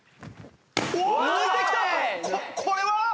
ここれは！？